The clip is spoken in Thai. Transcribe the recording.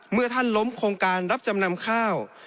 เมื่อท่านล้มโครงการรับจำนำข้าว